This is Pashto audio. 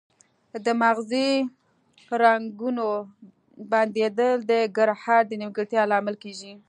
د مغزي رګونو بندیدل د ګړهار د نیمګړتیا لامل کیږي